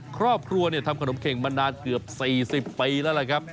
ครอบครัวทำขนมเข็งมานานเกือบ๔๐ปีแล้วล่ะครับ